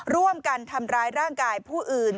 ร่วมกันทำร้ายร่างกายผู้อื่น